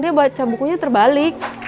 dia baca bukunya terbalik